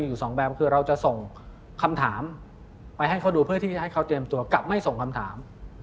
อยู่สองแบบคือเราจะส่งคำถามไปให้เขาดูเพื่อที่จะให้เขาเตรียมตัวกลับไม่ส่งคำถาม